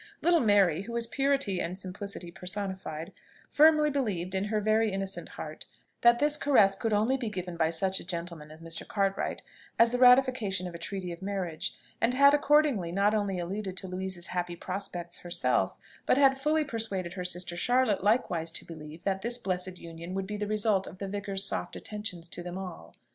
Little Mary, who was purity and simplicity personified, firmly believed, in her very innocent heart, that this caress could only be given by such a gentleman as Mr. Cartwright as the ratification of a treaty of marriage; and had accordingly not only alluded to Louisa's happy prospects herself, but had fully persuaded her sister Charlotte likewise to believe that this blessed union would be the result of the vicar's soft attentions to them all.